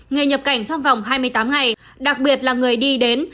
người nhập cảnh trong vòng hai mươi tám ngày đặc biệt là người đi đến